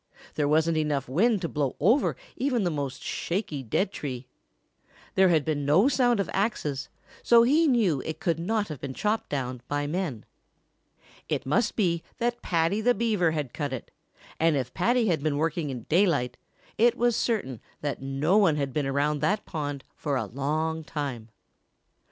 There wasn't enough wind to blow over even the most shaky dead tree. There had been no sound of axes, so he knew it could not have been chopped down by men. It must be that Paddy the Beaver had cut it, and if Paddy had been working in daylight, it was certain that no one had been around that pond for a long time.